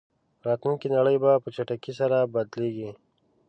راتلونکې نړۍ به په چټکۍ سره بدلېږي.